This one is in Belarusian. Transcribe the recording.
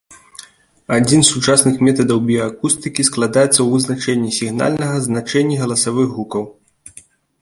Адзін з сучасных метадаў біяакустыкі складаецца ў вызначэнні сігнальнага значэнні галасавых гукаў.